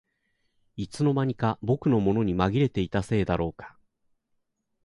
いつの間にか僕のものにまぎれていたせいだろうか